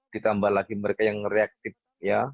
ditambah lagi mereka yang reaktif ya